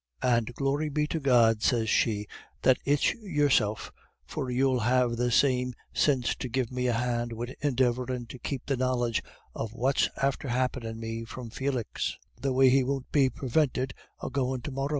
And 'Glory be to God,' sez she, 'that it's yourself, for you'll have the sinse to give me a hand wid endeavourin' to keep the knowledge of what's after happenin' me from Felix, the way he won't be purvinted of goin' to morra.